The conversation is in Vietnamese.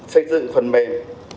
xây dựng phần mềm